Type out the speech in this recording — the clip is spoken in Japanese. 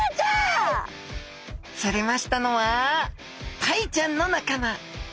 釣れましたのはタイちゃんの仲間